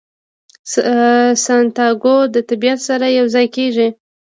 سانتیاګو د طبیعت سره یو ځای کیږي.